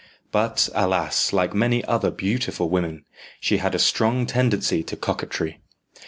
But, alas like many other beautiful women, she had a strong tendency to coquetry.